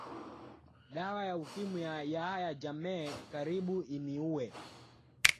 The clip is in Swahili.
Dawa ya Ukimwi ya Yahya Jammeh karibu iniue